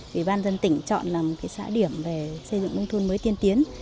ủy ban dân tỉnh chọn là một xã điểm về xây dựng nông thôn mới tiên tiến